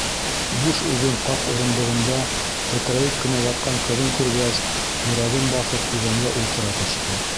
Буш өйҙөң ҡаҡ урындығында кәкрәйеп кенә ятҡан ҡыҙын күргәс, йөрәген баҫып, иҙәнгә ултыра төштө.